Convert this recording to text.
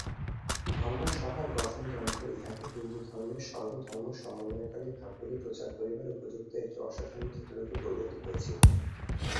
ধর্মসভার গঠনতন্ত্র ইহাকে হিন্দুধর্মের সর্বধর্মসমন্বয়কারী ভাবগুলি প্রচার করিবার উপযুক্ত একটি অসাধারণ ক্ষেত্ররূপে গড়িয়া তুলিয়াছিল।